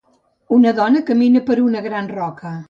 una dona camina per una gran roca.